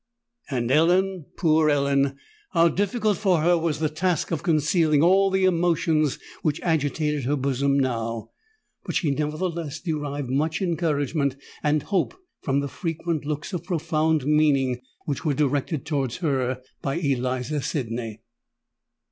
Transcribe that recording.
And Ellen—poor Ellen!—how difficult for her was the task of concealing all the emotions which agitated her bosom now! But she nevertheless derived much encouragement and hope from the frequent looks of profound meaning which were directed towards her by Eliza Sydney.